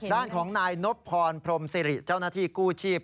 ด้านของนายนบพรพรมสิริเจ้าหน้าที่กู้ชีพ